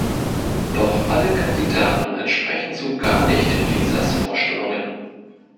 Doch alle Kandidaten entsprechen so gar nicht Lisas Vorstellungen.